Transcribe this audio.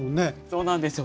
そうなんですよ。